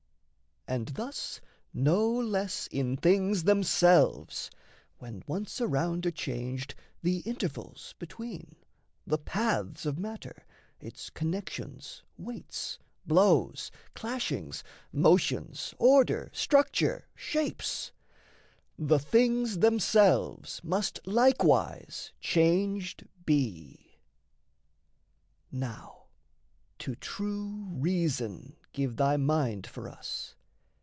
And thus no less in things themselves, when once Around are changed the intervals between, The paths of matter, its connections, weights, Blows, clashings, motions, order, structure, shapes, The things themselves must likewise changed be. Now to true reason give thy mind for us.